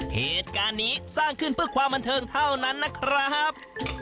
เหตุการณ์นี้สร้างขึ้นเพื่อความบันเทิงเท่านั้นนะครับ